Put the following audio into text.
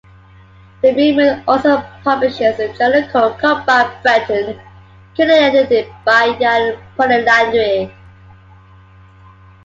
The movement also publishes a journal called "Combat Breton", currently edited by Yann Puillandre.